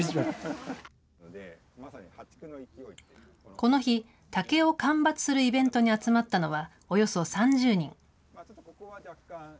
この日、竹を間伐するイベントに集まったのはおよそ３０人。